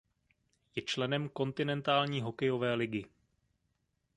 Je členem Kontinentální hokejové ligy.